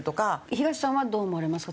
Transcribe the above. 東さんはどう思われますか？